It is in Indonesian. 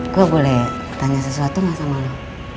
gue boleh tanya sesuatu gak sama lo